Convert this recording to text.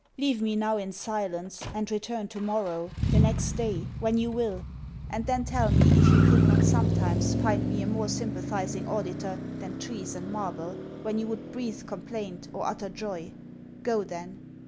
Leave me now in silence; and return to morrow, the next day, when you will, and then tell me, if you could not sometimes find me a more sympathizing auditor than trees and marble, when you would breathe complaint, or utter joy. Go then.